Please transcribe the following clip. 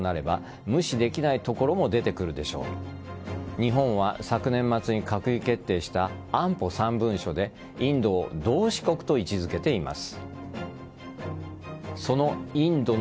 日本は昨年末に閣議決定した安保３文書でインドを同志国と位置付けています。